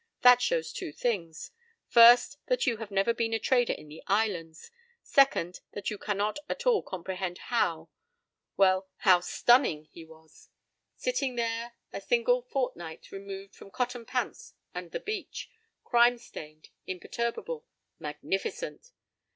That shows two things—first, that you've never been a trader in the islands; second, that you cannot at all comprehend how—well, how stunning he was. Sitting there, a single fortnight removed from cotton pants and the beach, crime stained, imperturbable, magnificent!